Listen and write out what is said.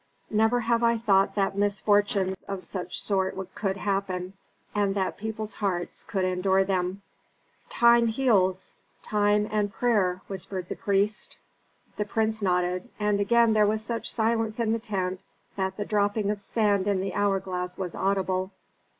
Never have I thought that misfortunes of such sort could happen, and that people's hearts could endure them." "Time heals time and prayer," whispered the priest. The prince nodded, and again there was such silence in the tent that the dropping of sand in the hour glass was audible.